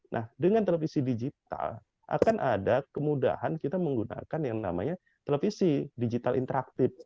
nah dengan televisi digital akan ada kemudahan kita menggunakan yang namanya televisi digital interaktif